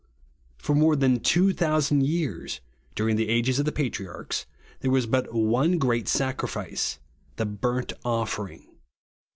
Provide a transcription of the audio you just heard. For more than two thousand years, during the ages of the patriarchs, there was but one great sacrifice, — the burnt offering.